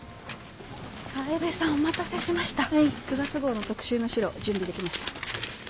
９月号の特集の資料準備できました。